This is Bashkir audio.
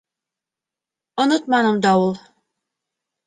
Онотманым да ул...